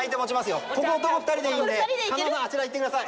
ここ男２人でいいんで狩野さんあちらへ行って下さい。